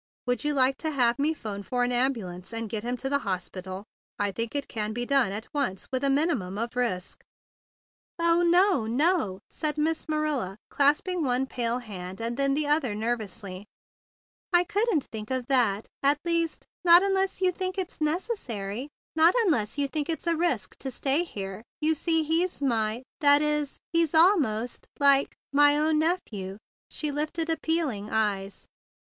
Would you like to have me phone for an ambulance and get him to the hospital? I think it can be done at once with a minimum of risk." "Oh, no, no!" said Miss Marilla, clasping one white hand and then the other nervously. "I couldn't think of that—at least, not unless you think it's necessary—not unless you think it's a risk to stay here. You see he's my— that is, he's almost—like—my own nephew." She lifted appealing eyes.